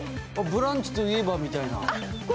「ブランチ」といえばみたいな。